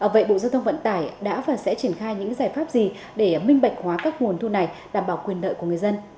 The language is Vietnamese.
vậy bộ giao thông vận tải đã và sẽ triển khai những giải pháp gì để minh bạch hóa các nguồn thu này đảm bảo quyền lợi của người dân